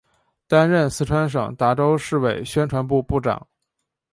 担任四川省达州市委宣传部部长。